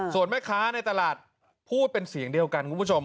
ส่วนแม่ค้าในตลาดพูดเป็นเสียงเดียวกันคุณผู้ชม